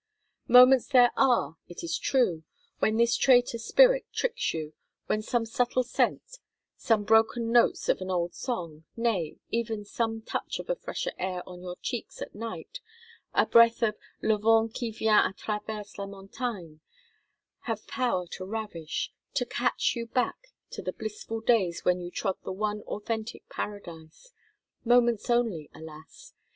Moments there are, it is true, when this traitor spirit tricks you: when some subtle scent, some broken notes of an old song, nay, even some touch of a fresher air on your cheeks at night—a breath of "le vent qui vient à travers la montagne"—have power to ravish, to catch you back to the blissful days when you trod the one authentic Paradise. Moments only, alas!